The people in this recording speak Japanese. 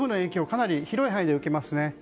かなり広い範囲で受けます。